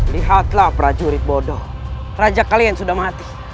lihatlah prajurit bodoh raja kalian sudah mati